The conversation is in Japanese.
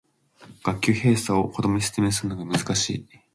学級閉鎖を子供に説明するのが難しい